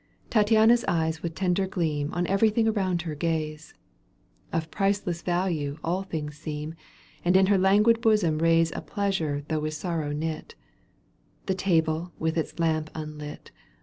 Tattiana's eyes with tender gleam On everything around her gaze, Of priceless value all things seem And in her languid bosom raise A pleasure though with sorrow knit : The table with its lamp unlit.